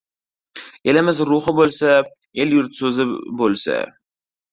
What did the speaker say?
elimiz ruhi bo‘lsa… el-yurt sozi bo‘lsa…